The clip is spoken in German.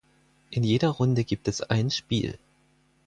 In jeder Runde gibt es ein Spiel.